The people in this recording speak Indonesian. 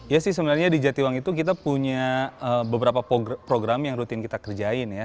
ya sih sebenarnya di jatiwang itu kita punya beberapa program yang rutin kita kerjain ya